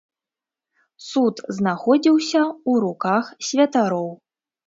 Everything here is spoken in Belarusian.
Суд знаходзіўся ў руках святароў.